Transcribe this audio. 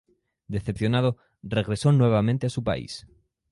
Decepcionado, regresó nuevamente a su país.